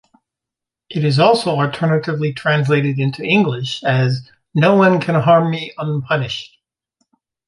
It is also alternatively translated into English as "No one can harm me unpunished".